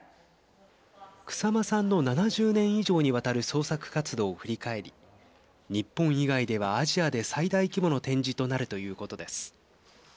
草間さんの７０年以上にわたる創作活動を振り返り日本以外ではアジアで最大規模の展示となるということです。